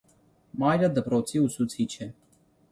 Մայրը դպրոցի ուսուցիչ է։